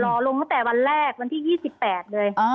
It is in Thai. รอลงตั้งแต่วันแรกวันที่๒๘เลย